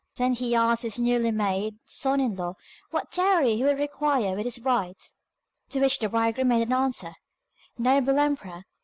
Then he asked his newly made son in law what dowry he would require with his bride. To which the bridegroom made answer, 'Noble emperor!